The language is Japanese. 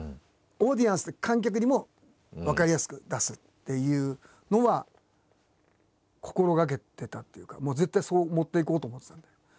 オーディエンス観客にも分かりやすく出すっていうのは心がけてたっていうかもう絶対そう持っていこうと思ってたんで。